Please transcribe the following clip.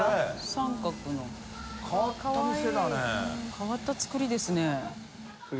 変わったつくりですね。